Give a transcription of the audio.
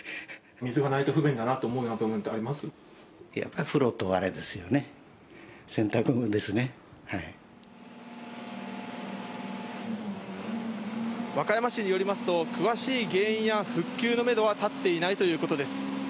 水がないと不便だなと思うとやっぱ風呂とあれですよね、和歌山市によりますと、詳しい原因や復旧のメドは立っていないということです。